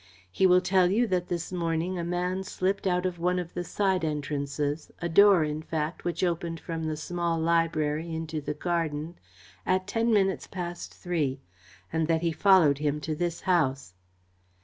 He will tell you that this morning a man slipped out of one of the side entrances, a door, in fact, which opened from the small library into the garden, at ten minutes past three, and that he followed him to this house."